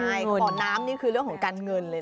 ใช่ขอน้ำนี่คือเรื่องของการเงินเลยนะ